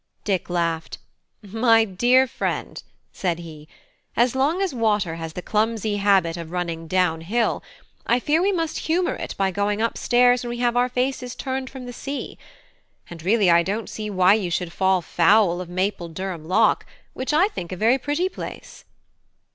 Dick laughed. "My dear friend," said he, "as long as water has the clumsy habit of running down hill, I fear we must humour it by going up stairs when we have our faces turned from the sea. And really I don't see why you should fall foul of Maple Durham lock, which I think a very pretty place."